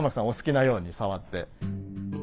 お好きなようにさわって。